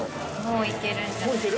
もう行ける？